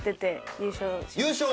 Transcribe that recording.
・優勝！？